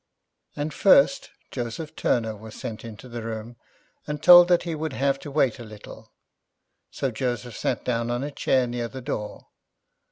And first, Joseph Turner was sent into the room, and told that he would have to wait a little; so Joseph sat down on a chair near the door.